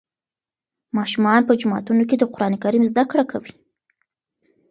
ماشومان په جوماتونو کې د قرآن کریم زده کړه کوي.